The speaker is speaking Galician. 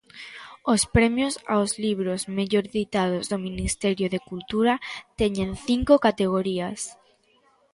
Os Premios aos Libros Mellor Editados do Ministerio de Cultura teñen cinco categorías.